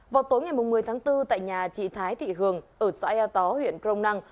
vào tối ngày một mươi tháng bốn tại nhà chị thái thị hường ở xã ea tó huyện crong năng